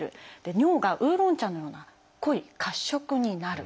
尿がウーロン茶のような濃い褐色になる。